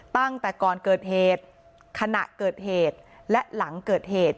ตั้งแต่ก่อนเกิดเหตุขณะเกิดเหตุและหลังเกิดเหตุ